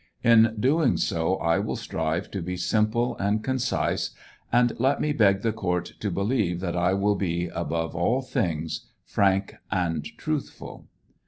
In doing so I will strive to be simple and con else, and let me beg the court to believe that I will be, above all things, franl and truthful.